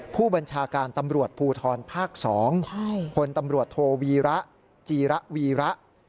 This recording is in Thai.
ผู้บัญชาการตำรวจภูทรภาค๒พลตำรวจโทวีระจีระวีระ